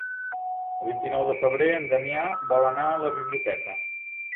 El vint-i-nou de febrer en Damià vol anar a la biblioteca.